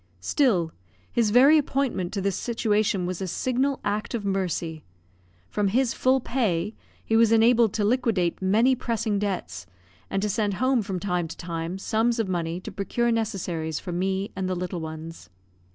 Still his very appointment to this situation was a signal act of mercy. From his full pay, he was enabled to liquidate many pressing debts, and to send home from time to time sums of money to procure necessaries for me and the little ones.